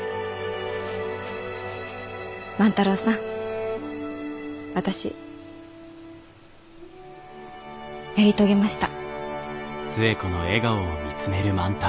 万太郎さん私やり遂げました。